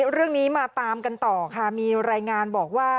เรื่องนี้มาตามกันต่อค่ะมีรายงานบอกว่า